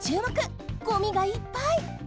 ごみがいっぱい！